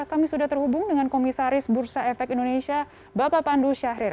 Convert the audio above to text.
kami sudah terhubung dengan komisaris bursa efek indonesia bapak pandu syahrir